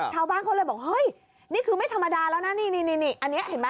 ชาวบ้านเขาเลยบอกเฮ้ยนี่คือไม่ธรรมดาแล้วนะนี่นี่อันนี้เห็นไหม